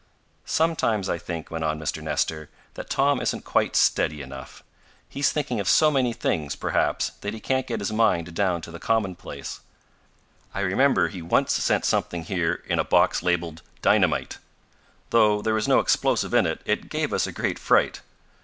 "Sometimes I think," went on Mr. Nestor, "that Tom isn't quite steady enough. He's thinking of so many things, perhaps, that he can't get his mind down to the commonplace. I remember he once sent something here in a box labeled 'dynamite.' Though there was no explosive in it, it gave us a great fright.